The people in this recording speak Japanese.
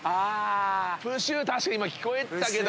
確かに聞こえてたけど。